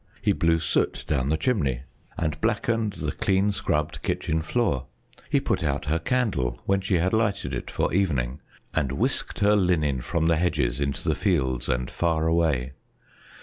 He blew soot down the chimney and blackened the clean scrubbed kitchen floor; he put out her candle when she had lighted it for evening; and whisked her linen from the hedges into the fields and far away.